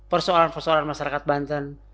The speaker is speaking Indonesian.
persoalan persoalan masyarakat bandar